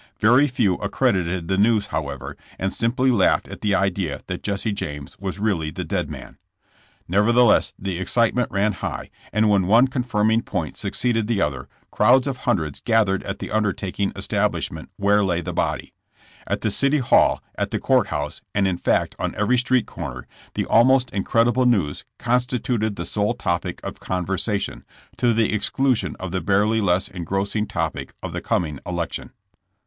Very few accredited the news, however, and simply laughed at the idea that Jesse James was really the dead man. OUTLAWED AND HUNTED. 101 Nevertheless the excitement ran high, and when one confirming point succeeded the other, crowds of hundreds gathered at the undertaking establishment where lay the body. At the city hall, at the court house, and in fact on every street corner, the almost incredible news constituted the sole topic of conver sation, to the exclusion of the barely less engrossing topic of the coming election.